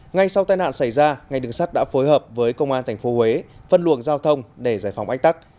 ngay sau tai nạn xảy ra ngay đường sắt đã phối hợp với công an tp huế phân luồng giao thông để giải phóng ách tắc